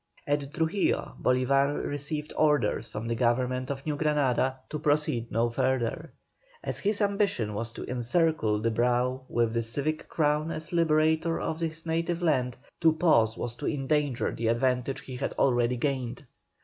At Trujillo Bolívar received orders from the Government of New Granada to proceed no further. As his ambition was to encircle his brow with the civic crown as liberator of his native land, to pause was to endanger the advantage he had already gained.